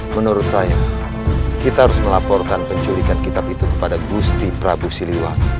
menurut saya kita harus melaporkan penculikan kitab itu kepada gusti prabu siliwan